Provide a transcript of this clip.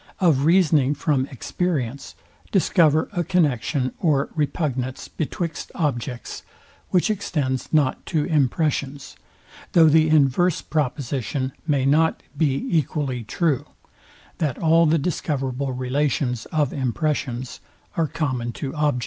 ] of reasoning from experience, discover a connexion or repugnance betwixt objects, which extends not to impressions; though the inverse proposition may not be equally true, that all the discoverable relations of impressions are common to objects.